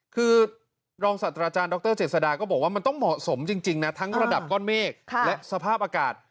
คือรองศาสตราจารย์ดรเจษฎาก็บอกว่ามันต้องเหมาะสมจริงนะทั้งระดับก้อนเมฆและสภาพอากาศ